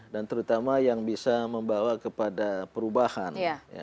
dan terutama yang bisa membawa kepada perubahan